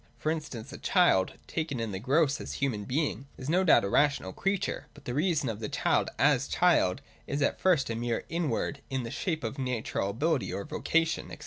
For instance, a child, taken in the gross as human being, is no doubt a rational creature ; but the reason of the child as child is at first a mere inward, in the shape of his natural ability or vocation, &c.